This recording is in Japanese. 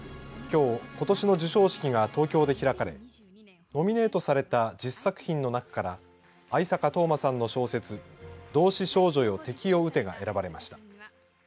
きょう、ことしの授賞式が東京で開かれノミネートされた１０作品の中から逢坂冬馬さんの小説、同志少女よ、敵を撃てが選ばれました。